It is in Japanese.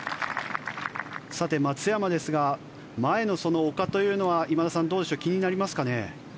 さて、松山ですが前の丘というのは今田さん、どうでしょう気になりますか？